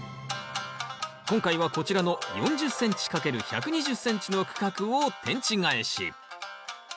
今回はこちらの４０ｃｍ×１２０ｃｍの区画を天地返し。